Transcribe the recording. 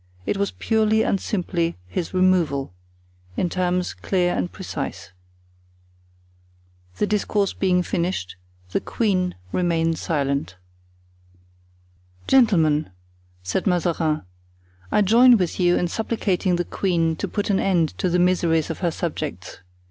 It was purely and simply his removal, in terms clear and precise. The discourse being finished, the queen remained silent. "Gentlemen," said Mazarin, "I join with you in supplicating the queen to put an end to the miseries of her subjects.